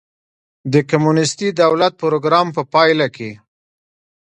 د کمونېستي دولت پروګرام په پایله کې.